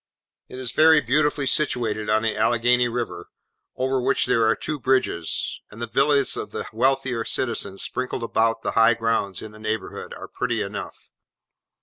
It is very beautifully situated on the Alleghany River, over which there are two bridges; and the villas of the wealthier citizens sprinkled about the high grounds in the neighbourhood, are pretty enough.